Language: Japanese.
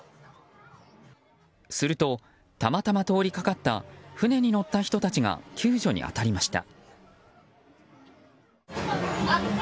すると、たまたま通りかかった船に乗った人たちが救助に当たりました。